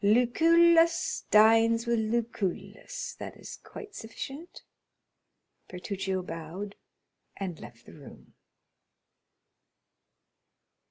'Lucullus dines with Lucullus,' that is quite sufficient." Bertuccio bowed, and left the room.